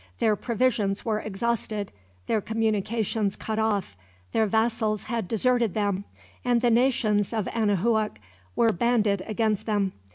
Their provisions were exhausted. Their communications cut off. Their vassals had deserted them, and the nations of Anahuac were banded against them.